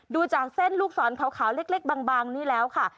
ดูจากเส้นลูกศรขาวเล็กบางนี่แล้วค่ะ